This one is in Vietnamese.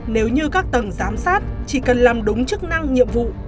nếu như các tầng giám sát chỉ cần làm đúng chức năng nhiệm vụ